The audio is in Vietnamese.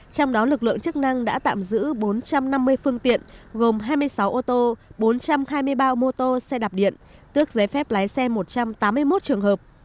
trong đó lực lượng chức năng đã tạm giữ bốn trăm năm mươi phương tiện gồm hai mươi sáu ô tô bốn trăm hai mươi ba mô tô xe đạp điện tước giấy phép lái xe một trăm tám mươi một trường hợp